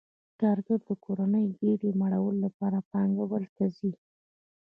کارګر د کورنۍ ګېډې مړولو لپاره پانګوال ته ځي